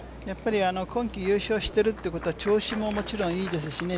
今季優勝してるっていうことは調子ももちろんいいですしね